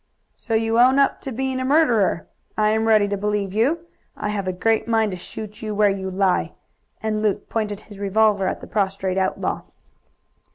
"So you own up to being a murderer? I am ready to believe you. I have a great mind to shoot you where you lie!" and Luke pointed his revolver at the prostrate outlaw.